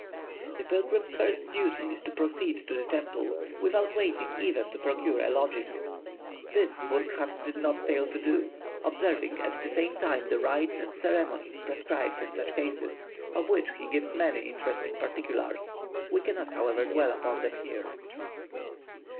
The pilgrim's first duty is to proceed to the temple, without waiting even to procure a lodging. This Burckhardt did not fail to do, observing at the same time the rites and ceremonies prescribed in such cases, of which he gives many interesting particulars; we cannot, however, dwell upon them here.